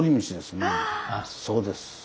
そうです。